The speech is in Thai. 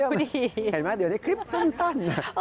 เห็นไหมเดี๋ยวนี้คลิปสั้น